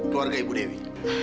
keluarga ibu dewi